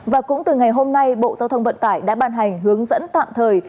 và cũng từ ngày hôm nay bộ giao thông vận tải đã ban hành hướng dẫn tạm thời